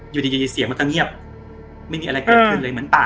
อยู่ดีเสียงมันก็เงียบไม่มีอะไรเกิดขึ้นเลยเหมือนป่า